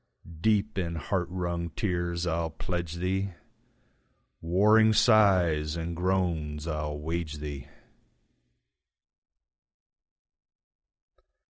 Deep in heart wrung tears I'll pledge thee, Warring sighs and groans I'll wage thee.